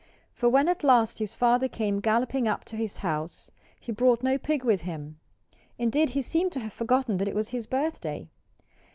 For when at last his father came galloping up to his house he brought no pig with him. Indeed he seemed to have forgotten that it was his birthday.